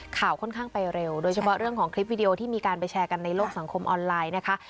ข่าวค่อนข้างไปเร็วโดยเฉพาะเรื่องของคลิปวิดีโอที่มีการไปแชร์กันในโลกสังคมออนไลน์นะคะ